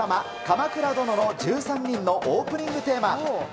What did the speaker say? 「鎌倉殿の１３人」のオープニングテーマ。